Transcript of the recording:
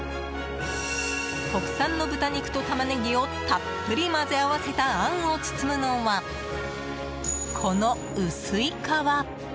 国産の豚肉とタマネギをたっぷり混ぜ合わせたあんを包むのは、この薄い皮。